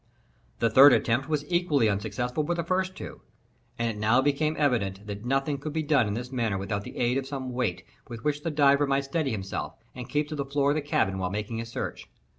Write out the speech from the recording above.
The third attempt was equally unsuccessful with the two first, and it now became evident that nothing could be done in this manner without the aid of some weight with which the diver might steady himself, and keep to the floor of the cabin while making his search.